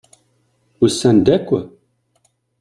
Usan-d akk?